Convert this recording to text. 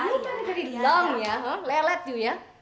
ini kan dari long ya lelet you ya